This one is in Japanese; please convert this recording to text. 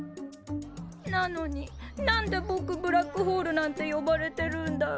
なのに何でぼくブラックホールなんて呼ばれてるんだろ。